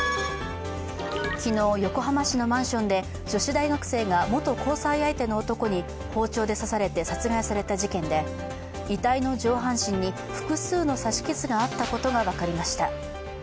昨日、横浜市のマンションで女子大学生が元交際相手の男に包丁で刺されて殺害された事件で遺体の上半身に複数の刺し傷があったことが分かりました。